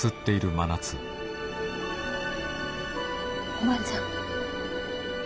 おばあちゃん。